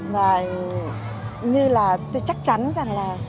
và như là tôi chắc chắn rằng là